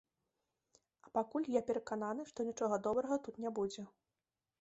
А пакуль я перакананы, што нічога добрага тут не будзе.